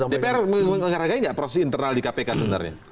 dpr menghargai nggak proses internal di kpk sebenarnya